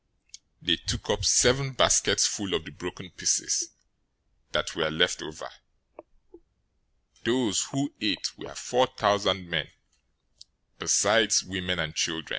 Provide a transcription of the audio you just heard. They took up seven baskets full of the broken pieces that were left over. 015:038 Those who ate were four thousand men, besides women and children.